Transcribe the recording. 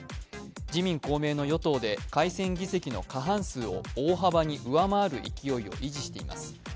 自民・公明の与党で改選議席の過半数を大幅に上回る勢いを維持しています。